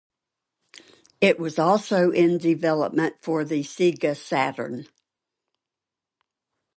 It was also in development for the Sega Saturn.